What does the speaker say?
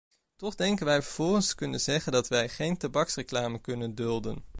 Toch denken wij vervolgens te kunnen zeggen dat wij geen tabaksreclame kunnen dulden.